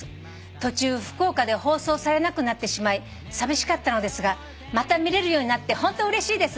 「途中福岡で放送されなくなってしまい寂しかったのですがまた見れるようになってホントうれしいです」